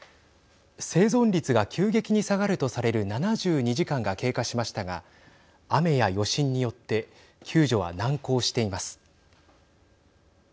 生存率が急激に下がるとされる７２時間が経過しましたが雨や余震によって救助は難航しています。